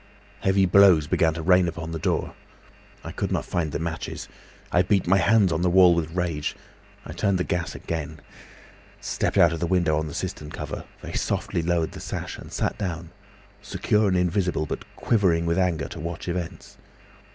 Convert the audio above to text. Heavy blows began to rain upon the door. I could not find the matches. I beat my hands on the wall with rage. I turned down the gas again, stepped out of the window on the cistern cover, very softly lowered the sash, and sat down, secure and invisible, but quivering with anger, to watch events.